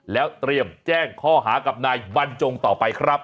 แล้วเตรียมแจ้งข้อหากับนายบรรจงต่อไปครับ